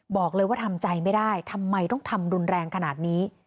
บอกเลยว่าทำใจไม่ได้ทำไมต้องทำรุนแรงขนาดนี้